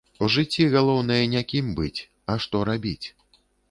У жыцці галоўнае не кім быць, а што рабіць.